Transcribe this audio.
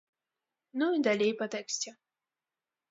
Ну і далей па тэксце.